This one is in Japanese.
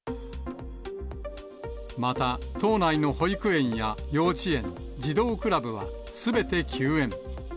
また島内の保育園や幼稚園、児童クラブはすべて休園。